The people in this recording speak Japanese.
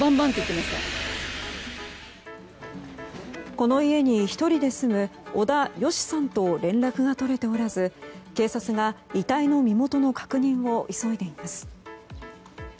この家に１人で住む小田賀さんと連絡が取れておらず警察が遺体の身元の確認を急いでいます。